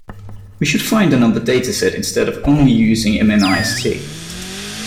We should find another dataset instead of only using mnist.